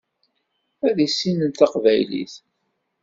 Ad issinent taqbaylit.